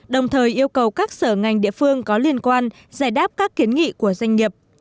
đồng thời yêu cầu các sở ngành địa phương có liên quan giải đáp các kiến nghị của doanh nghiệp